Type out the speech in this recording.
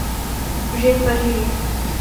Žije v Paříži.